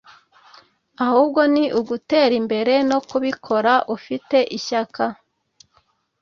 ahubwo ni ugutera imbere; no kubikora ufite ishyaka,